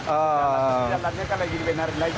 jalannya kan lagi dipenuhi lagi